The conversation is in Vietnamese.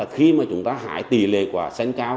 khi mà chúng ta hái tỷ lệ quả xanh cao